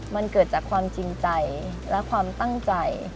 มันเกิดจากความจริงใจและความตั้งใจ